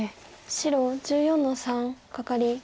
白１４の三カカリ。